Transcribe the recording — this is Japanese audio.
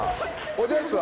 おじゃすは？